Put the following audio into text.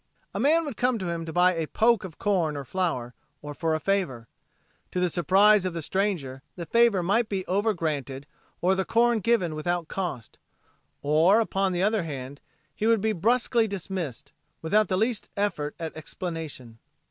A man would come to him to buy a "poke" of corn or flour, or for a favor. To the surprize of the stranger the favor might be over granted or the corn given without cost; or, upon the other hand, he would be bruskly dismissed without the least effort at explanation.